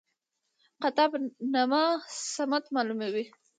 قطب نما سمت معلوموي